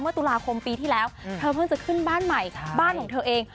ตุลาคมปีที่แล้วเธอเพิ่งจะขึ้นบ้านใหม่บ้านของเธอเอง